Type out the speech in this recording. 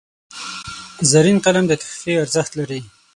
زرین قلم د تحفې ارزښت لري.